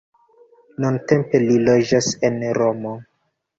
Nuntempe li loĝas en Romo.